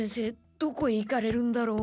どこへ行かれるんだろう？